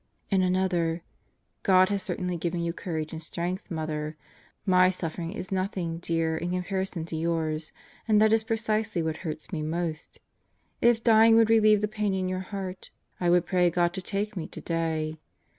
In another: "God has certainly given you courage and strength, Mother. My suffering is nothing, dear, in comparison to yours and that is precisely what hurts me most. If dying would relieve the pain in your heart, I would pray God to take me today!